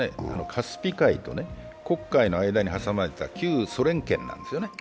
カスピ海と黒海の間に挟まれた旧ソ連圏なんですよね。